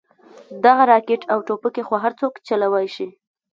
دغه راكټ او ټوپكې خو هرسوك چلوې شي.